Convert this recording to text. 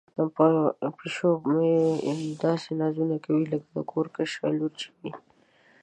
پیشو مې داسې نازونه کوي لکه د کور کشره لور چې وي.